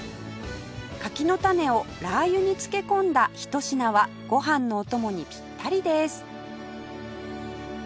柿の種をラー油に漬け込んだひと品はご飯のお供にピッタリです